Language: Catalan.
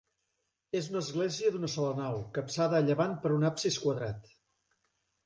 És una església d'una sola nau, capçada a llevant per un absis quadrat.